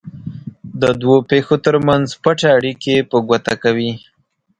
د دوو پېښو ترمنځ پټې اړیکې په ګوته کوي.